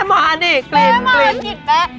โอ้เนอะแม่มาเนี่ยกลิ่นดี